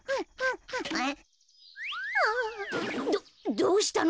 どどうしたの？